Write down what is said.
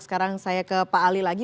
sekarang saya ke pak ali lagi